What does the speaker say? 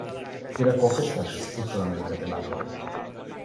এরা ককেশাস, উত্তর আমেরিকাতে বাস করে।